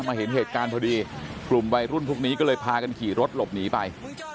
เห็นเหตุการณ์พอดีกลุ่มวัยรุ่นพวกนี้ก็เลยพากันขี่รถหลบหนีไป